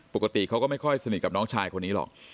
ปกติเขาก็ไม่ค่อยสนิทกับน้องชายคนนี้หรอก